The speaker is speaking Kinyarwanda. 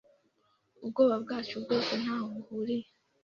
Ubwoba bwacu bwose ntaho buhuriye